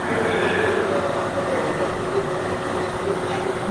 nta na gahunda guverineri yigeze ashyiraho